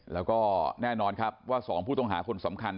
แล้วก็แน่นอนครับว่า๒ผู้ต้องหาคนสำคัญ